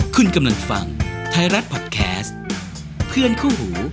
คุณกำลังฟังไทยรัฐพอดแคสต์เพื่อนคู่หู